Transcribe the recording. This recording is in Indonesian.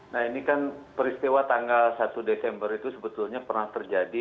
nah ini kan peristiwa tanggal satu desember itu sebetulnya pernah terjadi